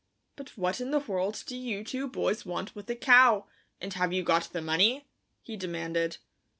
"But what in the world do you two boys want with a cow, and have you got the money?" he demanded.